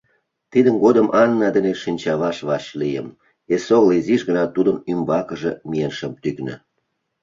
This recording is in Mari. Тидын годым Анна дене шинчаваш вашлийым, эсогыл изиш гына тудын ӱмбакыже миен шым тӱкнӧ.